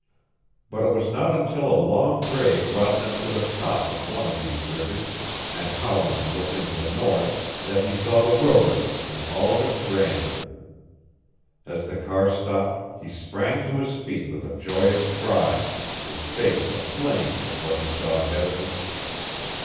But it was not until a long grade brought them to the top of one of these ridges and Howland looked into the north that he saw the wilderness in all of its grandeur. As the car stopped he sprang to his feet with a joyous cry, his face aflame with what he saw ahead of him.